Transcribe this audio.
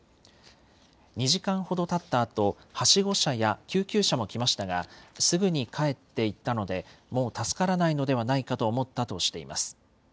２時間ほどたったあと、はしご車や救急車も来ましたが、すぐに帰って行ったので、もう助からないのではないかと思ったとしています。